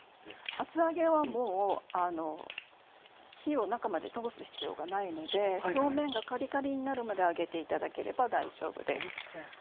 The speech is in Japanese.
厚揚げはもう火を中まで通す必要がないので表面がカリカリになるまで揚げて頂ければ大丈夫です。